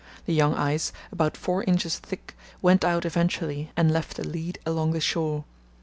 The young ice, about four inches thick, went out eventually and left a lead along the shore.